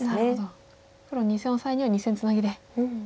黒２線オサエには２線ツナギで。